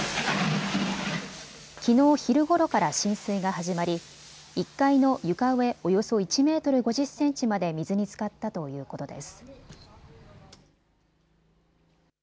きのう昼ごろから浸水が始まり１階の床上およそ１メートル５０センチまで水につかったということです。